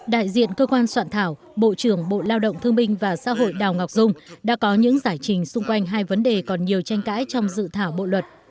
đại diện cơ quan soạn thảo bộ trưởng bộ lao động thương minh và xã hội đào ngọc dung đã có những giải trình xung quanh hai vấn đề còn nhiều tranh cãi trong dự thảo bộ luật